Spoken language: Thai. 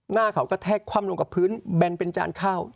หน้าเขากระแทกคว่ำลงกับพื้นแบนเป็นจานข้าว